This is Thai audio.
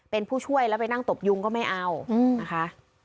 เป็นผู้ช่วยแล้วไปนั่งตบยุงก็ไม่เอานะคะ